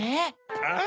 ああ。